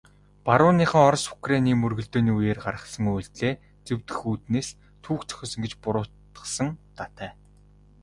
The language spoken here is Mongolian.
Барууныхан Оросыг Украины мөргөлдөөний үеэр гаргасан үйлдлээ зөвтгөх үүднээс түүх зохиосон гэж буруутгасан удаатай.